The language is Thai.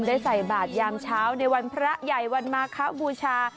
ใส่บาทยามเช้าในวันพระใหญ่วันมาคบูชา